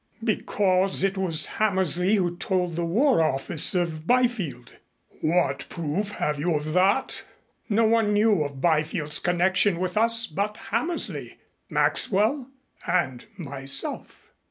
"Because it was Hammersley who told the War Office of Byfield " "What proof have you of that?" "No one knew of Byfield's connection with us but Hammersley, Maxwell and myself."